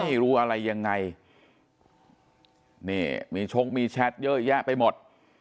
ไม่รู้อะไรยังไงนี่มีชกมีแชทเยอะแยะไปหมด